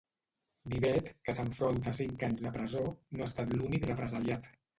Vivet, que s'enfronta a cinc anys de presó, no ha estat l'únic represaliat.